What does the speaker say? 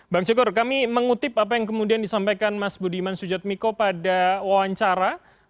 bang syukur kami mengutip apa yang kemudian disampaikan mas budiman sujatmiko pada wawancara